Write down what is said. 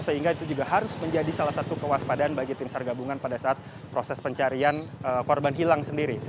sehingga itu juga harus menjadi salah satu kewaspadaan bagi tim sargabungan pada saat proses pencarian korban hilang sendiri